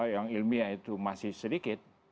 yang ilmiah itu masih sedikit